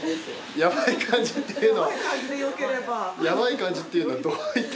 やばい感じっていうのはどういった。